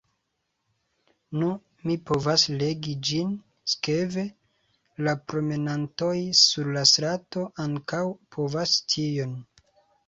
Nu, mi povas legi ĝin, sekve: la promenantoj sur la strato ankaŭ povos tion.